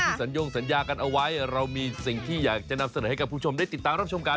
สัญญงสัญญากันเอาไว้เรามีสิ่งที่อยากจะนำเสนอให้กับคุณผู้ชมได้ติดตามรับชมกัน